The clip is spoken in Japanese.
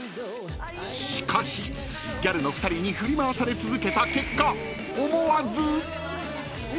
［しかしギャルの２人に振り回され続けた結果思わず］